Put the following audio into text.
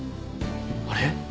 あれ？